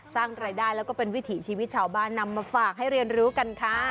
สร้างรายได้แล้วก็เป็นวิถีชีวิตชาวบ้านนำมาฝากให้เรียนรู้กันค่ะ